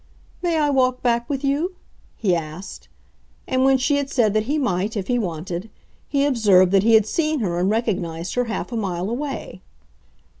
"May I walk back with you?" he asked. And when she had said that he might if he wanted, he observed that he had seen her and recognized her half a mile away.